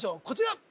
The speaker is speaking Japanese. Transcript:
こちら